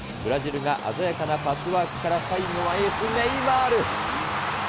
鮮やかなパスワークから、最後はエース、ネイマール。